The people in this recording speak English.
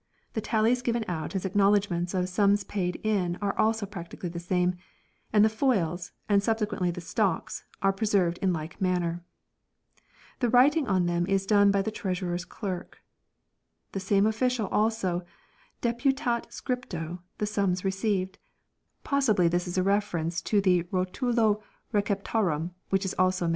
The Tallies given out as acknowledg Exche( i uer f ', Tallies and ments of sums paid in are also practically the same, words, and the foils, and subsequently the stocks, are pre served in like manner. The writing on them is done by the Treasurer's clerk. 4 The same Official also ' deputat scripto " the sums received ; possibly this is a reference to the " rotulo receptarum " which is also mentioned.